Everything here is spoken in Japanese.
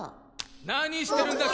・何してるんだ！